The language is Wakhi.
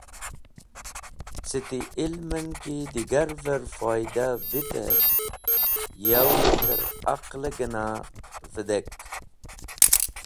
Cẽ ti ilmẽn ki digarvẽr foyda vitẽ yawi tẽr aqlẽ gena vedek.